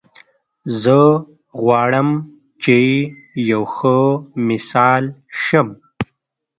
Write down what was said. زه غواړم چې یو ښه مثال شم